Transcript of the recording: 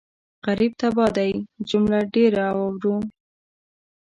غريب تباه دی جمله ډېره اورو